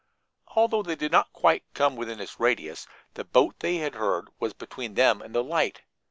Although they did not come quite within its radius, the boat they had heard was between them and the light!